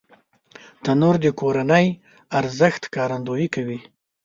تنور د کورنی ارزښت ښکارندويي کوي